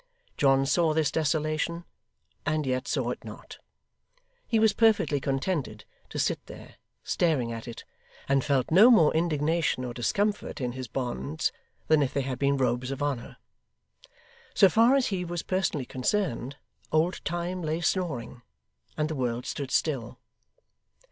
John saw this desolation, and yet saw it not. He was perfectly contented to sit there, staring at it, and felt no more indignation or discomfort in his bonds than if they had been robes of honour. So far as he was personally concerned, old Time lay snoring, and the world stood still.